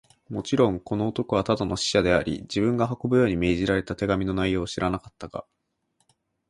もちろん、この男はただの使者であり、自分が運ぶように命じられた手紙の内容を知らなかったが、